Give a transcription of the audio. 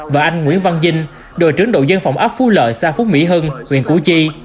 và anh nguyễn văn vinh đội trưởng đội dân phòng ấp phú lợi xa phúc mỹ hưng huyện củ chi